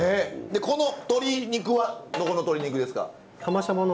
この鶏肉はどこの鶏肉ですか？